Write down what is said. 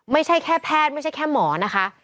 ไม่ใช่แค่แพทย์ไม่ใช่แค่หมอนะคะ